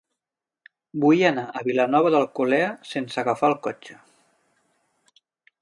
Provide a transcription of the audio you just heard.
Vull anar a Vilanova d'Alcolea sense agafar el cotxe.